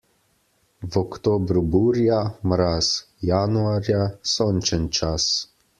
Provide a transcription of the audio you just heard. V oktobru burja, mraz, januarja sončen čas.